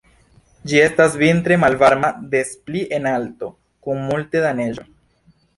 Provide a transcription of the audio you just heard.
Ĝi estas vintre malvarma des pli en alto, kun multe da neĝo.